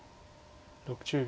６０秒。